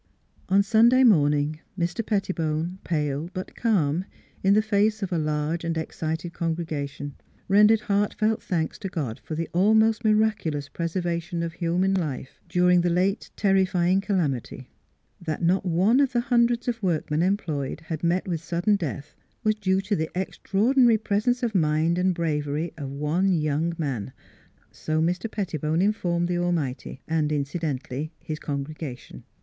... On Sunday morning Mr. Pettibone, pale but calm, in the face of a large and excited congrega tion, rendered heartfelt thanks to God for the almost miraculous preservation of human life dur ing the late terrifying calamity. That not one of the hundreds of workmen employed had met with sudden death was due to the extraordinary presence of mind and bravery of one young man so Mr. Pettibone informed the Almighty, and incidentally his congregation.